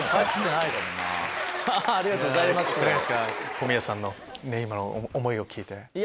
小宮さんの今の思いを聞いて。